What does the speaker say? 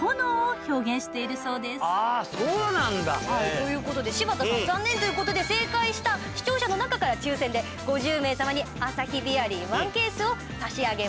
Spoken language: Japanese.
という事で柴田さん残念という事で正解した視聴者の中から抽選で５０名様にアサヒビアリー１ケースを差し上げます。